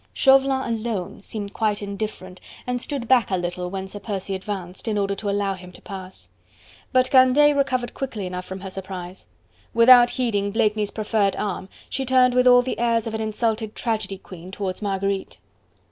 Chauvelin alone seemed quite indifferent and stood back a little when Sir Percy advanced, in order to allow him to pass. But Candeille recovered quickly enough from her surprise: without heeding Blakeney's proffered arm, she turned with all the airs of an insulted tragedy queen towards Marguerite.